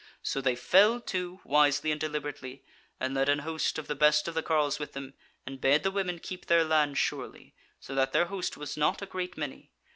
So they fell to, wisely and deliberately, and led an host of the best of the carles with them, and bade the women keep their land surely, so that their host was not a great many.